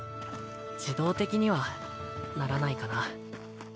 自動的にはならないかなあ